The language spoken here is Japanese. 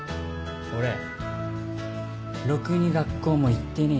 俺ろくに学校も行ってねえし